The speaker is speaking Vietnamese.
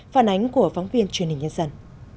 phản ánh của phóng viên truyền hình nhân dân